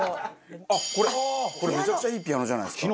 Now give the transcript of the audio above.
あっこれめちゃくちゃいいピアノじゃないですか。